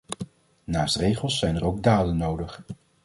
Naast regels zijn er ook daden nodig.